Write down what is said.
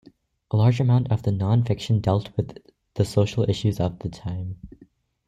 A large amount of the non-fiction dealt with the social issues of the time.